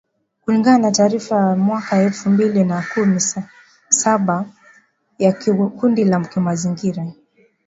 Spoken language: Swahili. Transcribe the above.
kulingana na taarifa ya mwaka elfu mbili na kumi saba ya kundi la kimazingira